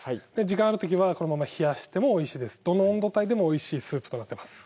時間ある時はこのまま冷やしてもおいしいですどの温度帯でもおいしいスープとなってます